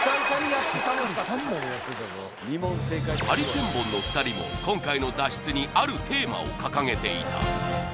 ハリセンボンの２人も今回の脱出にあるテーマを掲げていた